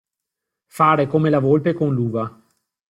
Fare come la volpe con l'uva.